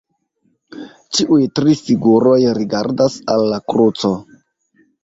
Ĉiuj tri figuroj rigardas al la kruco.